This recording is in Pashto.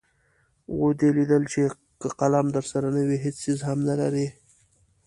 ودې لیدل چې که قلم درسره نه وي هېڅ څیز هم نلرئ.